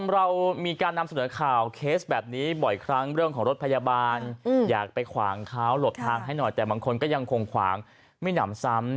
เรามีการนำเสนอข่าวเคสแบบนี้บ่อยครั้งเรื่องของรถพยาบาลอยากไปขวางเขาหลบทางให้หน่อยแต่บางคนก็ยังคงขวางไม่หนำซ้ำ